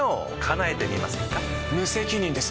無責任です。